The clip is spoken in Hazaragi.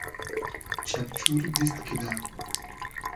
چئپچور دیست کیدۂ